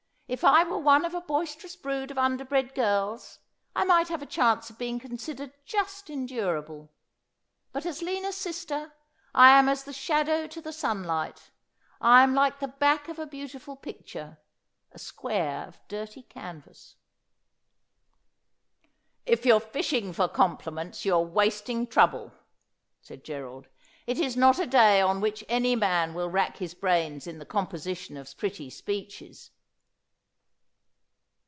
' If I were one of a boisterous brood of underbred girls I might have a chance of being considered just endurable ; but as Lina's sister I am as the shadow to the sunlight ; I am like the back of a beautiful picture — a square of dirty canvas.' ' If you are fishing for compliments, you are wasting trouble,' said Gerald. ' It is not a day on which any man will rack bis brains in the composition of pretty speeches.'